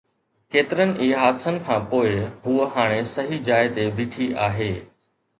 ڪيترن ئي حادثن کان پوءِ، هوءَ هاڻي صحيح جاءِ تي بيٺي آهي.